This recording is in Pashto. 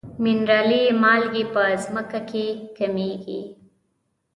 منرالي مالګې په ځمکه کې کمیږي.